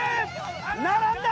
並んだ！